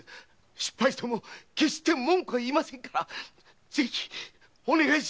失敗しても決して文句は言いませんからぜひお願いします！